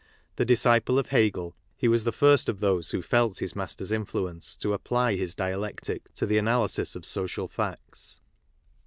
The disciple of Hegel, he was the first of those who felt his master's influence to apply his dialectic to the analysis of social facts.